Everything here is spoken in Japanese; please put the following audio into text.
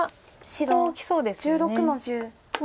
白１６の十ハネ。